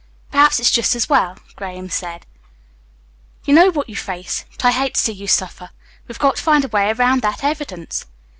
"Perhaps it's just as well," Graham said. "You know what you face. But I hate to see you suffer. We've got to find a way around that evidence."